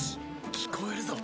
聞こえるぞ！